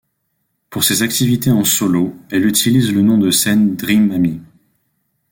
Pour ses activités en solo, elle utilise le nom de scène Dream Ami.